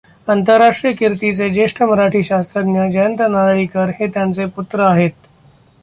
आंतरराष्ट्रीय कीर्तीचे ज्येष्ठ मराठी शास्त्रज्ञ जयंत नारळीकर हे त्यांचे पुत्र आहेत.